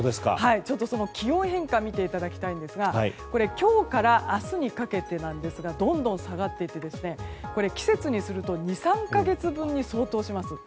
ちょっとその気温変化見ていただきたいんですが今日から明日にかけてどんどん下がっていって季節にすると２３か月分に相当します。